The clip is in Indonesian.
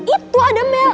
itu ada mel